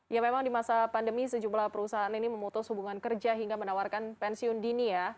ya memang di masa pandemi sejumlah perusahaan ini memutus hubungan kerja hingga menawarkan pensiun dini ya